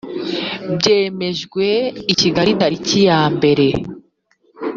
byemejwe i kigali tariki yambere